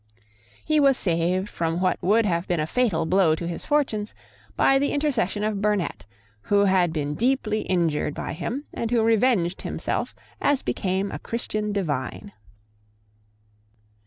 He was saved from what would have been a fatal blow to his fortunes by the intercession of Burnet, who had been deeply injured by him, and who revenged himself as became a Christian divine.